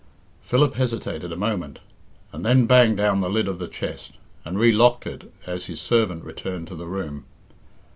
Philip hesitated a moment, and then banged down the lid of the chest, and relocked it as his servant returned to the room.